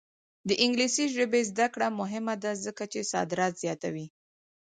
د انګلیسي ژبې زده کړه مهمه ده ځکه چې صادرات زیاتوي.